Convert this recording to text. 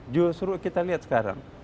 justru kita lihat sekarang